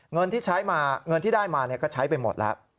เงินที่ใช้มาเงินที่ได้มาก็ใช้ไปหมดแล้ว